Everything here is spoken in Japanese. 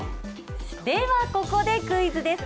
ではここでクイズです。